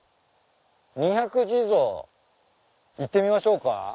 「二百地蔵」行ってみましょうか。